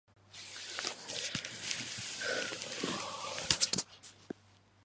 It takes its name from the former Woolwich Dockyard.